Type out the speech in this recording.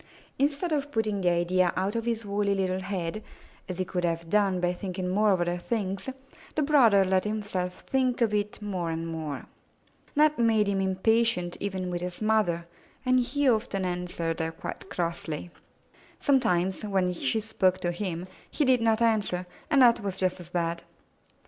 Instead of putting the idea out of his woolly little head, as he could have done by thinking more of other things, the brother let himself think of it more and more. That made him impatient with even his mother, and he often answered her quite crossly. Some times, when she spoke to him, he did not answer, and that was just as bad.